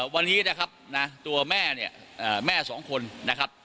วันนี้นะครับตัวแม่เนี่ยแม่สองคนนะครับ